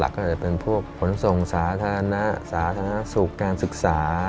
ก็จะเป็นพวกขนส่งสาธารณะสาธารณสุขการศึกษา